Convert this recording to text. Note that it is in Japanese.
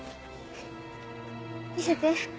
見せて。